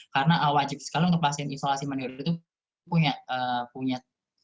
karena wajib sekali untuk pasien isolasi mandiri itu punya